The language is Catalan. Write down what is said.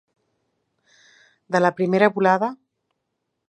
De la primera volada.